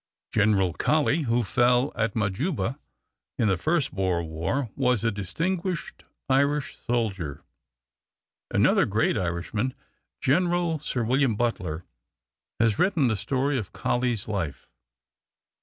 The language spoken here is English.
General Colley, who fell at Majuba in the first Boer War, was a distinguished Irish soldier. Another great Irishman, General Sir William Butler, has written the story of Colley's life.